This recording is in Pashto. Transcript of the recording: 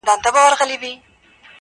خو څوک يې مرسته نه کوي-